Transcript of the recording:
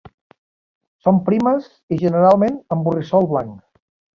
Són primes i generalment amb borrissol blanc.